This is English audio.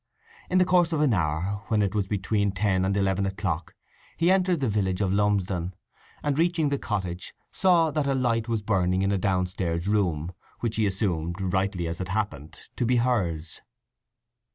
In the course of an hour, when it was between ten and eleven o'clock, he entered the village of Lumsdon, and reaching the cottage, saw that a light was burning in a downstairs room, which he assumed, rightly as it happened, to be hers.